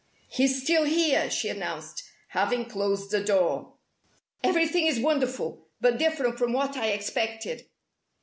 "He's still here!" she announced, having closed the door. "Everything is wonderful but different from what I expected."